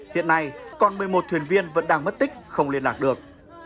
hiện nay còn một mươi một thuyền viên vẫn đang mất tích không liên lạc được